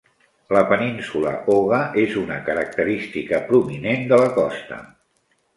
La península Oga és una característica prominent de la costa.